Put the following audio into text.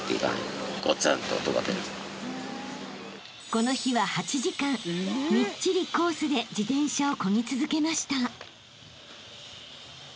［この日は８時間みっちりコースで自転車をこぎ続けました］